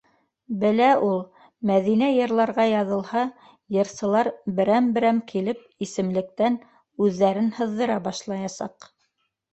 Белә ул: Мәҙинә йырларға яҙылһа, йырсылар берәм-берәм килеп исемлектән үҙҙәрен һыҙҙыра башлаясаҡ...